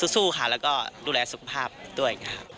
สู้ค่ะแล้วก็ดูแลสุขภาพด้วยครับ